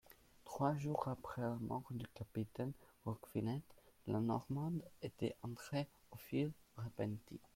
Trois jours après la mort du capitaine Roquefinette, la Normande était entrée aux Filles-Repenties.